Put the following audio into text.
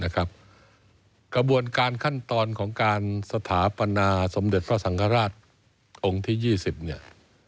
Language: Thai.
กระบวนการขั้นตอนของการสถาปนาสมเด็จพระสังฆราชองค์ที่๒๐เนี่ย